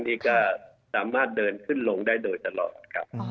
นี่ก็สามารถเดินขึ้นลงได้โดยตลอดครับ